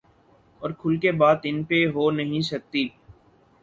اورکھل کے بات ان پہ ہو نہیں سکتی۔